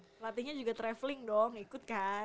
pelatihnya juga traveling dong ikut kan